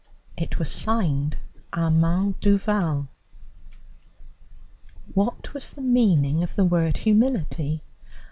It was signed Armand Duval. What was the meaning of the word Humility?